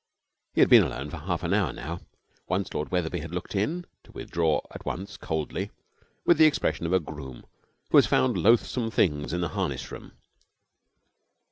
He had been alone for half an hour now. Once Lord Wetherby had looked in, to withdraw at once coldly, with the expression of a groom who has found loathsome things in the harness room.